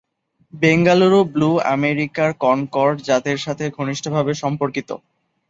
Bengaluru blue আমেরিকার Concord জাতের সাথে ঘনিষ্ঠভাবে সম্পর্কিত।